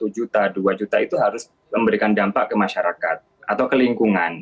satu juta dua juta itu harus memberikan dampak ke masyarakat atau ke lingkungan